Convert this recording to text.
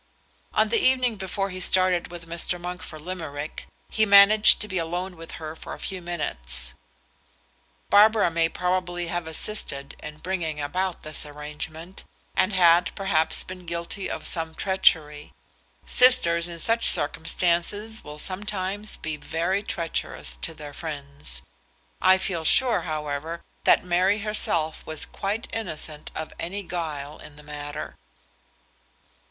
On the evening before he started with Mr. Monk for Limerick, he managed to be alone with her for a few minutes. Barbara may probably have assisted in bringing about this arrangement, and had, perhaps, been guilty of some treachery, sisters in such circumstances will sometimes be very treacherous to their friends. I feel sure, however, that Mary herself was quite innocent of any guile in the matter.